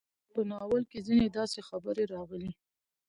په ناول کې ځينې داسې خبرې راغلې